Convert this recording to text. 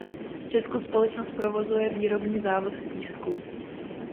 V Česku společnost provozuje výrobní závod v Písku.